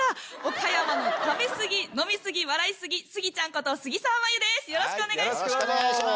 岡山の食べすぎ飲みすぎ笑いすぎスギちゃんこと杉澤眞優です